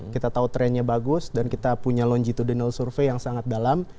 kita tahu trennya bagus dan kita punya longitudinal survei yang sangat dalam